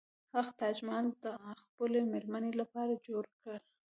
هغه تاج محل د خپلې میرمنې لپاره جوړ کړ.